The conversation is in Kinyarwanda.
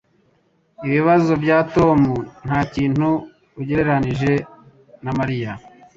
Ibibazo bya Tom ntakintu ugereranije na Mariya.